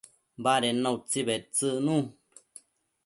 baded na utsi bedtsëcnu